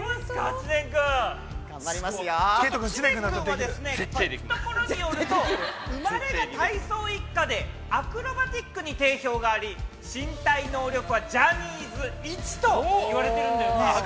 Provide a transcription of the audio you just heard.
◆知念君は聞くところによると生まれが体操一家で、アクロバティックに定評があり身体能力はジャニーズ１と言われてるんですよね。